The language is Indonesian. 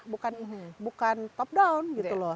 bukan top down gitu loh